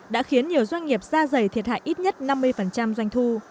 đã khiến nhiều doanh nghiệp da dày thiệt hại ít nhất năm mươi doanh thu